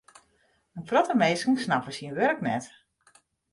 In protte minsken snappe syn wurk net.